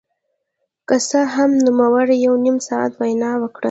که څه هم نوموړي یو نیم ساعت وینا وکړه